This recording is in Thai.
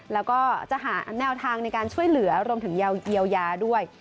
แล้วก็จะหาแนวทางในการช่วยเหลือรวมถึงเยียวยาด้วย